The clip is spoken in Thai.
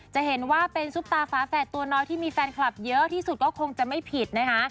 จะเห็นว่าเป็นซุปตาฟ้าแฝดตัวน้อยที่มีแฟนคลับเยอะที่สุดก็คงจะไม่ผิดนะคะ